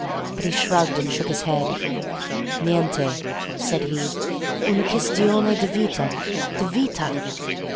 But he shrugged and shook his head. "Niente," said he. "Una quistione di vita, di vita!"